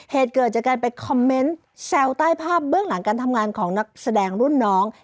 เหตุเกิดจากการไปคอมเมนต์แซวใต้ภาพเบื้องหลังการทำงานของนักแสดงรุ่นน้อง